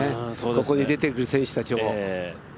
ここに出てくる選手たちも。